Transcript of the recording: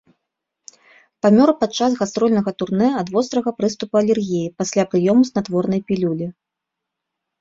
Памёр падчас гастрольнага турнэ ад вострага прыступу алергіі пасля прыёму снатворнай пілюлі.